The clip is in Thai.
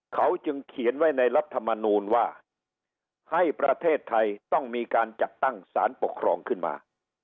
เขาจึงเขียนไว้ในรัฐมนูลว่าให้ประเทศไทยต้องมีการจัดตั้งสารปกครองขึ้นมา